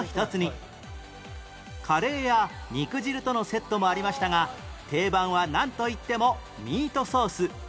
カレーや肉汁とのセットもありましたが定番はなんといってもミートソース